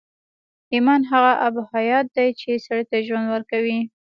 ايمان هغه آب حيات دی چې سړي ته ژوند ورکوي.